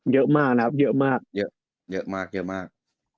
เยอะมากนะครับเยอะมาก